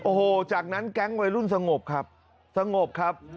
โอ้โหจากนั้นแก๊งวัยรุ่นสงบครับสงบครับ